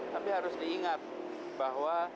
tapi harus diingat bahwa